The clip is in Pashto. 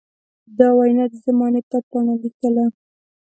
دا وينا د زمانې پر پاڼه ليکله.